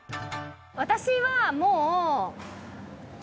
私はもう。